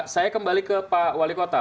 saya kembali ke pak wali kota